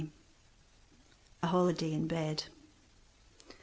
A HOLIDAY IN BED.